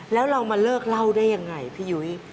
แล้วเรามาเลิกเล่าได้ยังไงพี่ยุ้ย